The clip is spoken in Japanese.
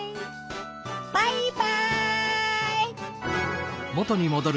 バイバイ。